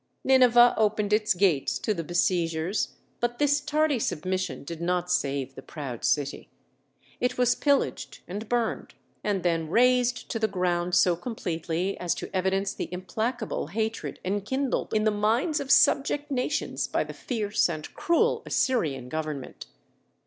Nineveh opened its gates to the besiegers, but this tardy submission did not save the proud city. It was pillaged and burned, and then razed to the ground so completely as to evidence the implacable hatred enkindled in the minds of subject nations by the fierce and cruel Assyrian government.